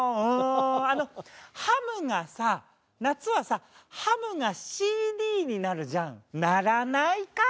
あのハムがさ夏はさハムがＣＤになるじゃん。ならないかー！